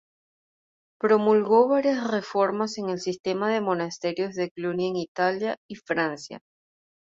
Promulgó varias reformas en el sistema de Monasterios de Cluny en Italia y Francia.